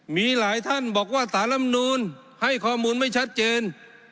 มีหลายท่านบอกว่าสารลำนูลให้ข้อมูลไม่ชัดเจน